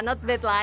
not bad lah